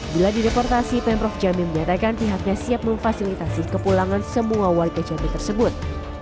bila dideportasi pemprov jambi menyatakan pihaknya siap memfasilitasi kepulangan semua warga jambi tersebut